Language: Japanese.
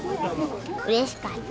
うれしかった。